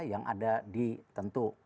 yang ada di tentu